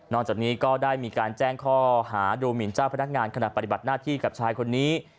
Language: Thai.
จากนี้ก็ได้มีการแจ้งข้อหาดูหมินเจ้าพนักงานขณะปฏิบัติหน้าที่กับชายคนนี้